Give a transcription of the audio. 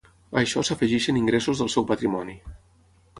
A això s'afegeixen ingressos del seu patrimoni.